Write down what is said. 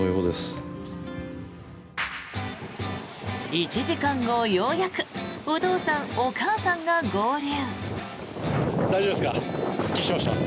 １時間後、ようやくお父さん、お母さんが合流。